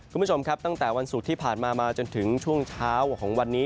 คุณผู้ชมครับตั้งแต่วันศุกร์ที่ผ่านมามาจนถึงช่วงเช้าของวันนี้